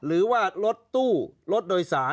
หรือรถด้วยสาร